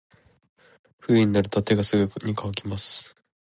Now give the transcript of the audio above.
冬になると手がすぐに乾きます。